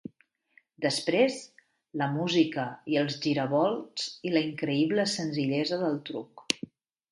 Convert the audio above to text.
Després, la música i els giravolts i la increïble senzillesa del truc.